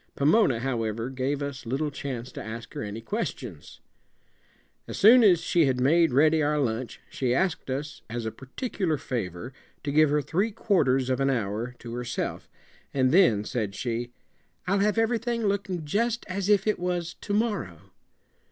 Pomona, however, gave us little chance to ask her any questions. As soon as she had made ready our lunch she asked us as a particular favor to give her three quarters of an hour to herself, and then, said she, "I'll have everything looking just as if it was to morrow."